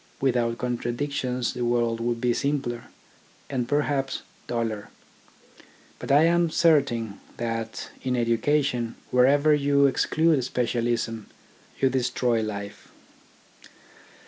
With out contradictions the world would be simpler, and perhaps duller. But I am certain that in education wherever you exclude specialism you destroy life.